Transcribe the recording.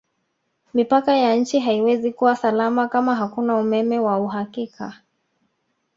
Mipaka ya nchi haiwezi kuwa salama kama hakuna Umeme wa uhakika